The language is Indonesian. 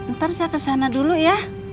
ntar saya kesana dulu ya